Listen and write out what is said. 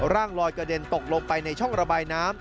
ร่างลอยกระเด็นตกลงไปในช่องระบายน้ำ